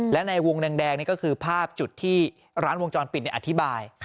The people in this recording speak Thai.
และในวงแดงนี่ก็คือภาพจุดที่ร้านวงจรปิดอธิบาย